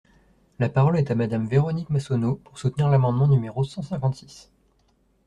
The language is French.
La parole est à Madame Véronique Massonneau, pour soutenir l’amendement numéro cent cinquante-six.